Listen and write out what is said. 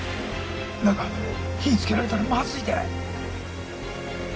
中火ぃつけられたらまずいで！